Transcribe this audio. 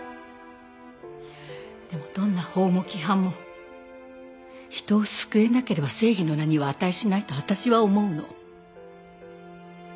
でもどんな法も規範も人を救えなければ正義の名には値しないと私は思うの。